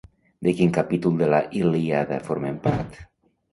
De quin capítol de la Ilíada formen part?